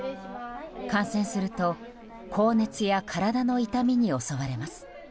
感染すると高熱や体の痛みに襲われます。